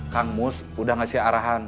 kang mus udah ngasih arahan